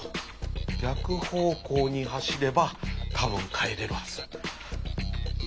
逆方向に走れば多分帰れるはず。